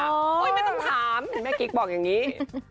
ไม่ต้องถามแม่กิ๊กบอกอย่างนี้